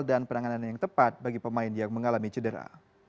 dan penanganan yang tepat bagi pemain yang mengalami cedera